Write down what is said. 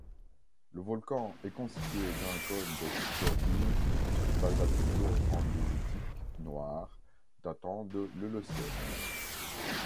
Le volcan est constitué d'un cône de scories basaltico-andésitiques noires datant de l'Holocène.